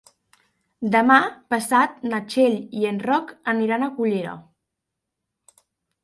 Demà passat na Txell i en Roc aniran a Cullera.